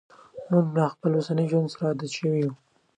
موږ له خپل اوسني ژوند سره عادت شوي یو.